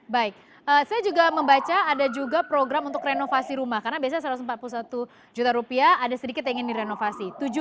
baik saya juga membaca ada juga program untuk renovasi rumah karena biasanya satu ratus empat puluh satu juta rupiah ada sedikit yang ingin direnovasi